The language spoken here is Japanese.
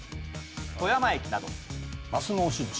富山駅など。